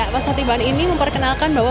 pasar tiban ini memperkenalkan bahwa